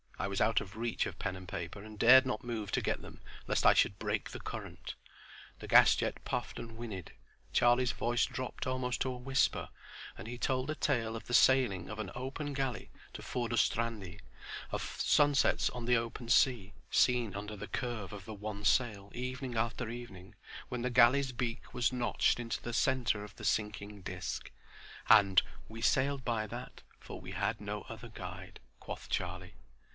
I was out of reach of pen and paper, and dared not move to get them lest I should break the current. The gas jet puffed and whinnied, Charlie's voice dropped almost to a whisper, and he told a tale of the sailing of an open galley to Furdurstrandi, of sunsets on the open sea, seen under the curve of the one sail evening after evening when the galley's beak was notched into the centre of the sinking disc, and "we sailed by that for we had no other guide," quoth Charlie.